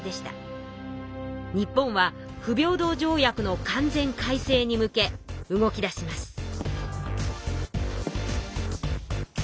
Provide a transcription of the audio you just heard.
日本は不平等条約の完全改正に向け動き出します。